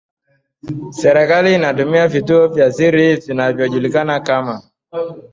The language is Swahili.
serikali inatumia vituo vya siri vinavyojulikana kama